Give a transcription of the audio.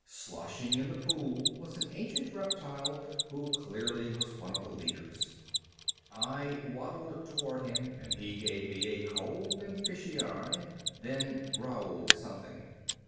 Sloshing in the pool was an ancient reptile who clearly was one of the leaders. I waddled toward him and he gave me a cold and fishy eye, then growled something.